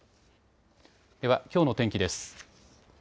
では、きょうの天気です。